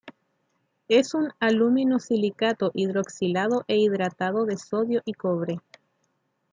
Es un alumino-silicato hidroxilado e hidratado de sodio y cobre.